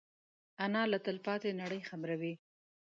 انا له تلپاتې نړۍ خبروي